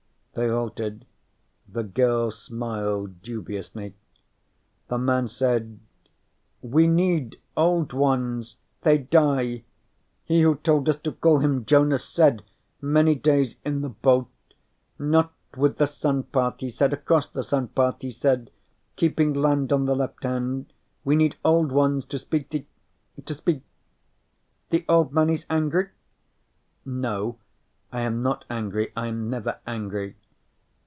They halted. The girl smiled dubiously. The man said: "We need old ones. They die. He who told us to call him Jonas said, many days in the boat, not with the sun path, he said, across the sun path, he said, keeping land on the left hand. We need old ones to speak the to speak.... The Old Man is angry?" "No, I am not angry. I am never angry."